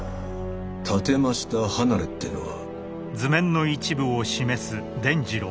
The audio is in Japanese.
建て増した離れってえのは。